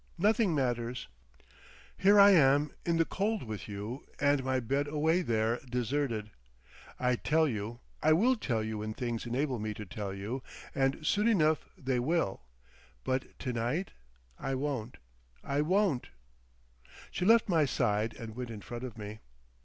Nothing matters. Here I am in the cold with you and my bed away there deserted. I'd tell you—I will tell you when things enable me to tell you, and soon enough they will. But to night—I won't—I won't." She left my side and went in front of me.